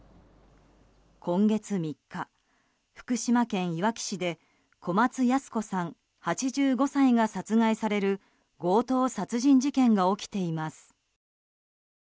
今月３日、福島県いわき市で小松ヤス子さん、８５歳が殺害される強盗殺人事件が起きています。